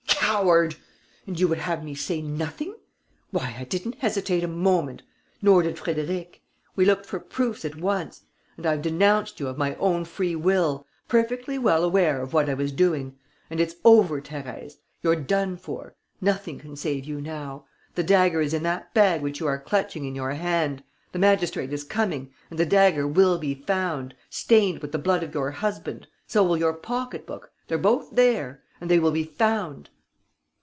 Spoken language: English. Coward!... And you would have me say nothing? Why, I didn't hesitate a moment! Nor did Frédéric. We looked for proofs at once.... And I've denounced you of my own free will, perfectly well aware of what I was doing.... And it's over, Thérèse. You're done for. Nothing can save you now. The dagger is in that bag which you are clutching in your hand. The magistrate is coming; and the dagger will be found, stained with the blood of your husband. So will your pocket book. They're both there. And they will be found...."